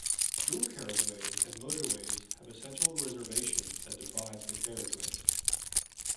Dual-carriageways and motorways have a central reservation that divides the carriageways